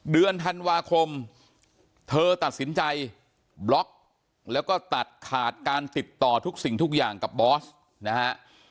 เดือนธันวาคมเธอตัดสินใจบล็อกแล้วก็ตัดขาดการติดต่อทุกสิ่งทุกอย่างกับบอสนะฮะ